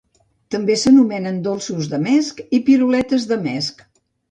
També s'anomenen "dolços de mesc" i "piruletes de mesc".